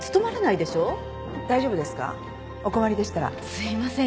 すいません。